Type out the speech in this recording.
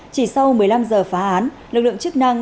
chỉ sau một mươi năm giờ phá án lực lượng chức năng